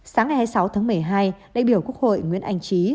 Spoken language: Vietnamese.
sáng ngày hai mươi sáu tháng một mươi hai đại biểu quốc hội nguyễn anh trí